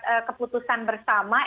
berat keputusan bersama